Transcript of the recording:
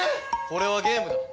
これはゲームだ。